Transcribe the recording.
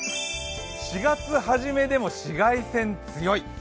４月初めでも紫外線強い。